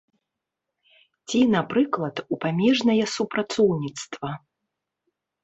Ці, напрыклад, у памежнае супрацоўніцтва.